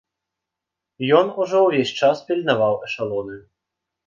Ён ужо ўвесь час пільнаваў эшалоны.